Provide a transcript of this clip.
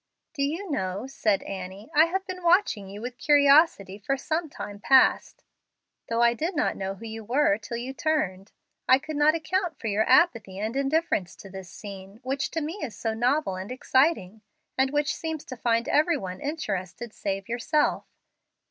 "Do you know," said Annie, "I have been watching you with curiosity for some time past, though I did not know who you were till you turned. I could not account for your apathy and indifference to this scene, which to me is so novel and exciting, and which seems to find every one interested save yourself.